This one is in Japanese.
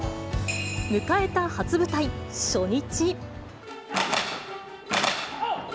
迎えた初舞台初日。